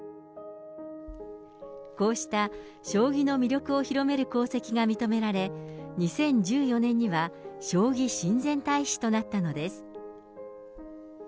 こうした将棋の魅力を広める功績が認められ、２０１４年には将棋親善大使となったのです。